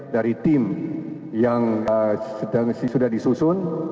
dari tim yang sudah disusun